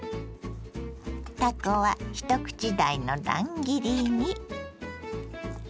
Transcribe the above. たこは一口大の乱切りに。